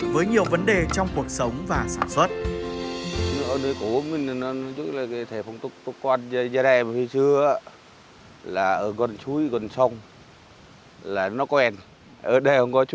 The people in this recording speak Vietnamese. với nhiều vấn đề trong cuộc sống và sản xuất